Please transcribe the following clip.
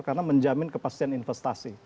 karena menjamin kepastian investasi